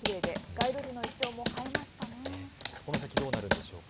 この先どうなるんでしょうか。